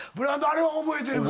あれは覚えてるか？